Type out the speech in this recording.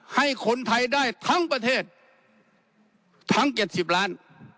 ให้คนไทยได้ทั้งประเทศทั้ง๗๐ล้าน